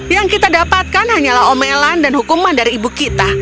yang kita dapatkan hanyalah omelan dan hukuman dari ibu kita